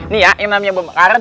nih ya yang namanya berbakaran